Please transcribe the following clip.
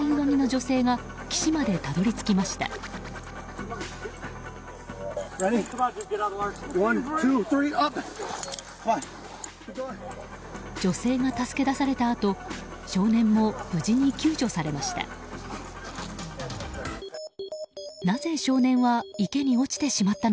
女性が助け出されたあと少年も無事に救助されました。